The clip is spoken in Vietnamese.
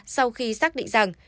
sau khi xác định rằng